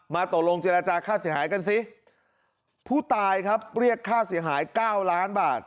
ตกลงเจรจาค่าเสียหายกันสิผู้ตายครับเรียกค่าเสียหายเก้าล้านบาท